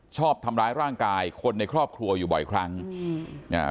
ชอบทำร้ายร่างกายคนในครอบครัวอยู่บ่อยครั้งอืมอ่า